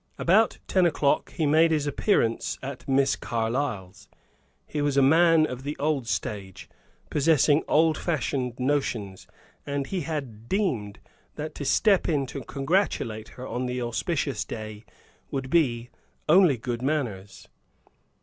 About ten o'clock he made his appearance at Miss Carlyle's; he was a man of the old stage, possessing old fashioned notions, and he had deemed that to step in to congratulate her on the auspicious day would be only good manners.